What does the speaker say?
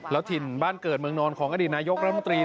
แล้วถิ่นบ้านเกิดเมืองนอนของอดีตนายกรัฐมนตรี